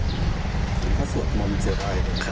ถ้าสวดมนต์เสียไป